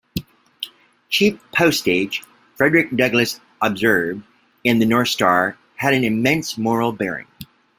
"Cheap postage, Frederick Douglass observed in The North Star, had an "immense moral bearing".